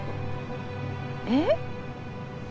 えっ？